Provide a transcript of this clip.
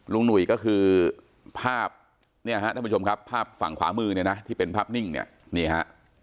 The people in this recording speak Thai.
หนุ่ยก็คือภาพเนี่ยฮะท่านผู้ชมครับภาพฝั่งขวามือเนี่ยนะที่เป็นภาพนิ่งเนี่ยนี่ฮะ